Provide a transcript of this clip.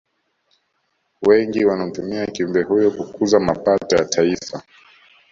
Wengi wanamtumia kiumbe huyo kukuza mapato ya taifa